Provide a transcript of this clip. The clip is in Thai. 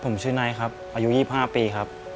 ผมชื่อไนท์ครับอายุ๒๕ปีครับ